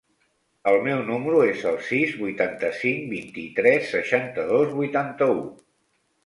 El meu número es el sis, vuitanta-cinc, vint-i-tres, seixanta-dos, vuitanta-u.